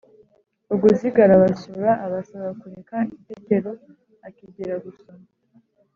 vuguziga arabasura, abasaba kureka tetero akigira gusoma